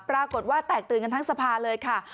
ปรากฏว่าแตกตื่นกันทั้งสภาเลยค่ะ